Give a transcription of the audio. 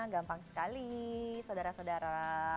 gampang sekali saudara saudara